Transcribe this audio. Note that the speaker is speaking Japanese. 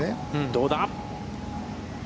どうだ！？